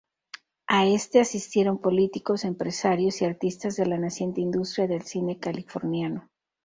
A este asistieron políticos, empresarios, y artistas de la naciente industria del cine californiano.